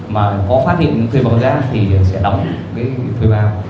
mà có phát hiện thê bào giá thì sẽ đóng cái thê bào